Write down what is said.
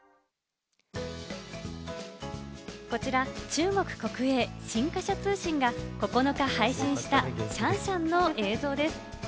こちら中国国営、新華社通信が９日、配信したシャンシャンの映像です。